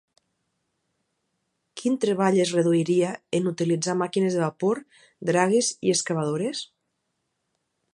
Quin treball es reduiria en utilitzar màquines de vapor, dragues i excavadores?